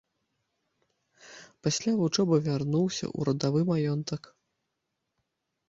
Пасля вучобы вярнуўся ў радавы маёнтак.